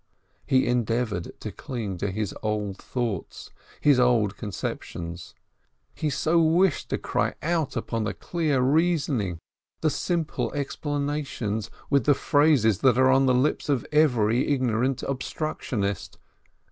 He endeavored to cling to his old thoughts, his old conceptions. He so wished to cry out upon the clear reasoning, the simple explanations, with the phrases that are on the lips of every ignorant obstructionist.